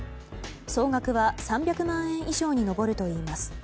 総額は３００万円以上に上るといいます。